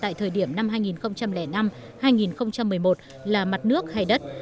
tại thời điểm năm hai nghìn năm hai nghìn một mươi một là mặt nước hay đất